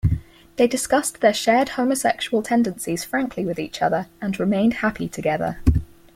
They discussed their shared homosexual tendencies frankly with each other, and remained happy together.